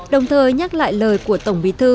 đồng thời nhắc lại lời của tổng bí thư